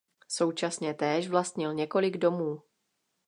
Současně též vlastnil několik domů.